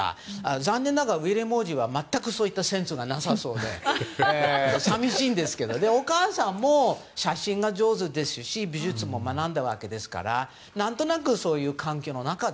残念ながらウィリアム皇太子は全くそういうセンスがなさそうで寂しいんですがお母さんも写真が上手ですし美術も学んだわけですから何となくその環境の中で。